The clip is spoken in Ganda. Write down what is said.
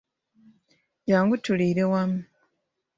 Jangu tuliire wamu.